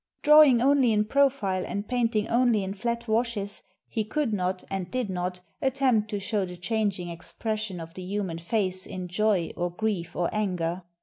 Drawing only in profile, and painting only in jQat washes, he could not, and did not, attempt to show the changing expression of the human face in joy or grief or anger.